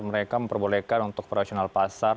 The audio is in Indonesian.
mereka memperbolehkan untuk operasional pasar